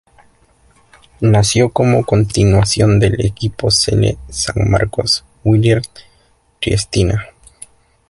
Nació como continuación del equipo Selle San Marco-Wilier Triestina.